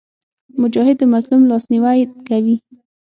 مجاهد د مظلوم لاسنیوی کوي.